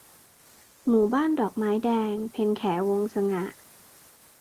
หมู่บ้านดอกไม้แดง - เพ็ญแข วงศ์สง่า